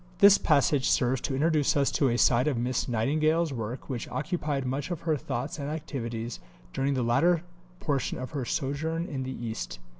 This passage serves to introduce us to a side of Miss Nightingale's work which occupied much of her thoughts and activities during the latter portion of her sojourn in the East.